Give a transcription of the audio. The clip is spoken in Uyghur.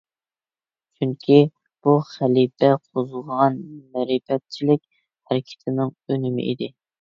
چۈنكى، بۇ خەلىپە قوزغىغان مەرىپەتچىلىك ھەرىكىتىنىڭ ئۈنۈمى ئىدى.